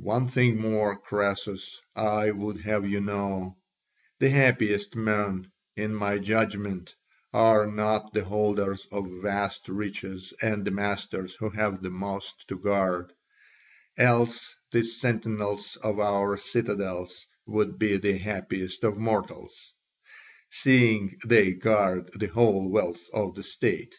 One thing more, Croesus, I would have you know; the happiest men, in my judgment, are not the holders of vast riches and the masters who have the most to guard; else the sentinels of our citadels would be the happiest of mortals, seeing they guard the whole wealth of the state.